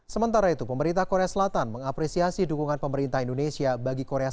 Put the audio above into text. sementara itu pemerintah korea selatan mengapresiasi dukungan pemerintah indonesia